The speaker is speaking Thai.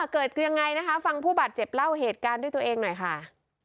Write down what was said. เกิดยังไงนะคะฟังผู้บาดเจ็บเล่าเหตุการณ์ด้วยตัวเองหน่อยค่ะ